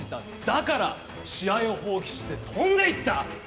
だから試合を放棄して飛んでいった！